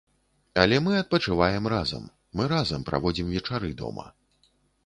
Але мы адпачываем разам, мы разам праводзім вечары дома.